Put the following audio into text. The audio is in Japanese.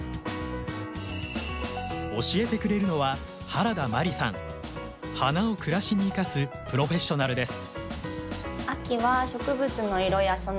教えてくれるのは花を暮らしに生かすプロフェッショナルです。